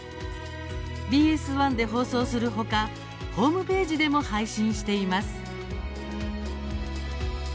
ＢＳ１で放送するほかホームページでも配信しています。